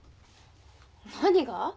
何が？